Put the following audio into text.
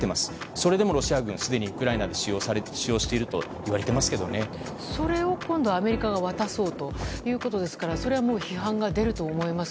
それでもロシア軍、すでにウクライナで使用しているとそれを今度はアメリカが渡そうということですからそれは批判が出ると思います。